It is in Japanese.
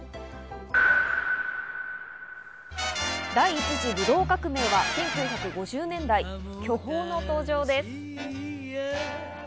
第一次ブドウ革命は１９５０年代、巨峰の登場です。